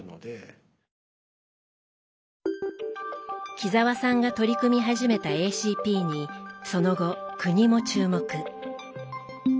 木澤さんが取り組み始めたＡＣＰにその後国も注目。